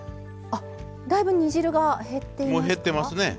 あっだいぶ煮汁が減っていますか？